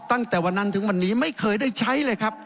ตั้งแต่วันนั้นถึงวันนี้ไม่เคยได้ใช้เลยครับ